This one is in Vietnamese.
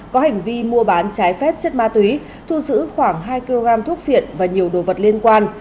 có hành vi mua bán trái phép chất ma túy thu giữ khoảng hai kg thuốc viện và nhiều đồ vật liên quan